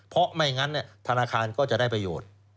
เพราะไม่งั้นธนาคารก็จะได้ประโยชน์